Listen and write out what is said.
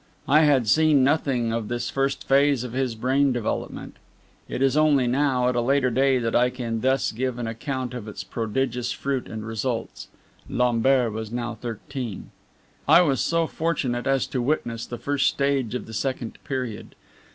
I had seen nothing of this first phase of his brain development; it is only now, at a later day, that I can thus give an account of its prodigious fruit and results. Lambert was now thirteen. I was so fortunate as to witness the first stage of the second period.